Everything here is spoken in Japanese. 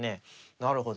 なるほど。